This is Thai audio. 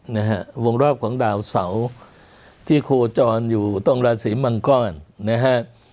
นะฮะวงรอบของดาวเสาที่โคจรอยู่ตรงราศีมังกรนะฮะ